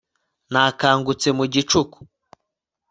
nakangutse mu gicuku